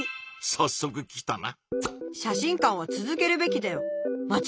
さっそく来たな。